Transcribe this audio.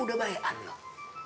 udah bayi anlok